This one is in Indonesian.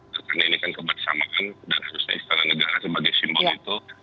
karena ini kan kebersamaan dan harusnya istana negara sebagai simbol itu